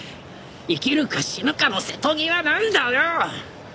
生きるか死ぬかの瀬戸際なんだよ！